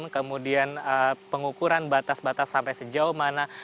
kemudian pengukuran batas batas sampai sejauh mana